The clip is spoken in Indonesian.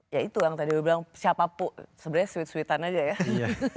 ya itu yang tadi gue bilang siapapun sebenarnya sweet sweetan aja ya